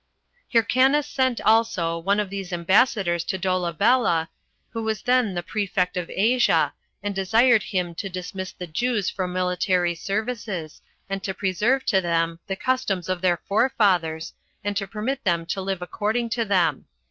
Hyrcanus sent also one of these ambassadors to Dolabella, who was then the prefect of Asia, and desired him to dismiss the Jews from military services, and to preserve to them the customs of their forefathers, and to permit them to live according to them.